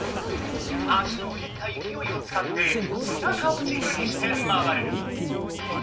足をけったいきおいをつかって背中をじくにして回る！